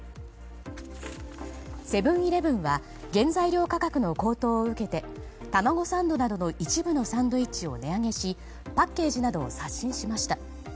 セブン‐イレブンは原材料価格の高騰を受けてたまごサンドなどの一部のサンドイッチを値上げしパッケージなどを刷新しました。